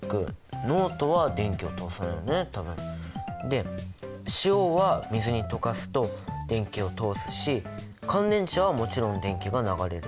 で塩は水に溶かすと電気を通すし乾電池はもちろん電気が流れる。